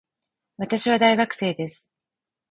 私は大学生です